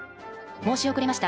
申し遅れました。